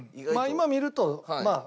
今見るとまあ。